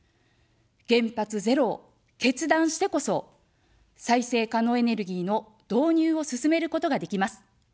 原発ゼロを決断してこそ、再生可能エネルギーの導入を進めることができます。